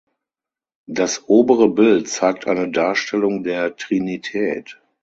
Das obere Bild zeigt eine Darstellung der Trinität.